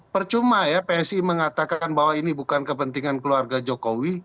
percuma ya psi mengatakan bahwa ini bukan kepentingan keluarga jokowi